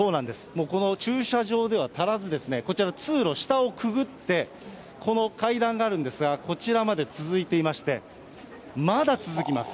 もうこの駐車場では足らず、こちらの通路、下をくぐって、この階段があるんですが、こちらまで続いていまして、まだ続きます。